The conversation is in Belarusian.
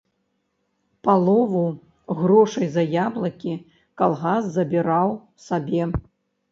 Палову грошай за яблыкі калгас забіраў сабе.